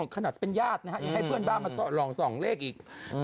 ขนาดเป็นญาตินะฮะยังให้เพื่อนบ้านมาลองส่องเลขอีก